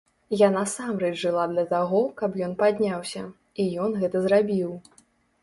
Я насамрэч жыла для таго, каб ён падняўся, і ён гэта зрабіў.